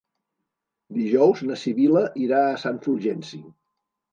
Dijous na Sibil·la irà a Sant Fulgenci.